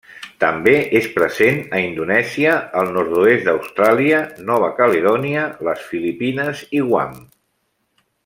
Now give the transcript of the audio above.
També és present a Indonèsia, el nord-oest d'Austràlia, Nova Caledònia, les Filipines i Guam.